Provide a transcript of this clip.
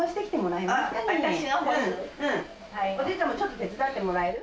おじいちゃんもちょっと手伝ってもらえる？